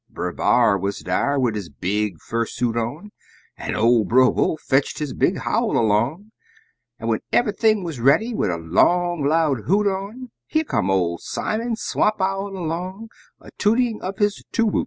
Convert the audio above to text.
Brer B'ar wuz dar, wid his bid fur suit on, An' ol' Brer Wolf fetched his big howl along, An' when eve'ything wuz ready, wid a long, loud hoot on, Here come ol' Simon Swamp Owl along, A tootin' of his too whoo.